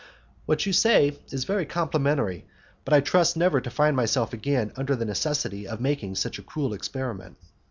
"What you say is very complimentary, but I trust never to find myself again under the necessity of making such a cruel experiment."